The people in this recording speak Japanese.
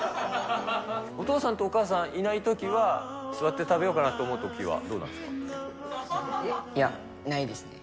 お父さんとお母さんいないときは、座って食べようかなと思うときは、いや、ないですね。